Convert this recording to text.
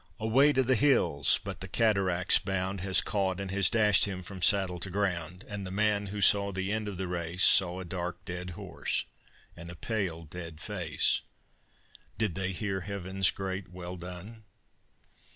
"Away to the hills!" but the cataract's bound Has caught and has dashed him from saddle to ground, And the man who saw the end of the race, Saw a dark, dead horse, and a pale dead face, Did they hear Heaven's great "Well done"?